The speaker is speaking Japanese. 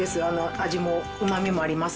味もうまみもあります。